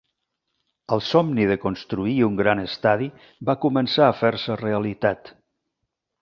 El somni de construir un gran estadi va començar a fer-se realitat.